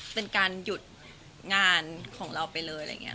เป็นการหยุดงานของเราไปเลยอะไรอย่างนี้